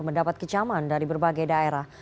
mendapat kecaman dari berbagai daerah